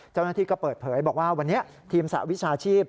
เจ้าหน้าที่ก็เปิดเผยบอกว่าวันนี้ทีมสหวิชาชีพ